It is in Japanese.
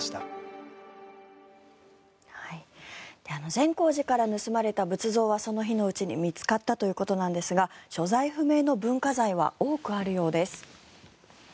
善光寺から盗まれた仏像はその日のうちに見つかったということですが所在不明の文化財は多くあるようです。